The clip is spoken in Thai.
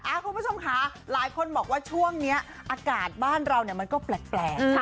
อ่าคุณผู้ชมค่ะหลายคนบอกว่าช่วงนี้อากาศบ้านเรามันก็แปลกแปลก